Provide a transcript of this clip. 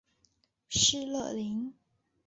施乐灵。